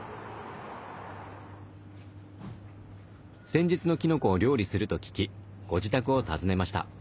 先日のきのこを料理すると聞きご自宅を訪ねました。